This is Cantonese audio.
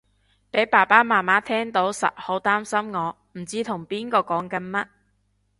俾爸爸媽媽聽到實好擔心我唔知同邊個講緊乜